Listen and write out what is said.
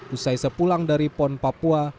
usai sepulang dari pon papua